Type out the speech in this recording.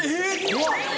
怖っ！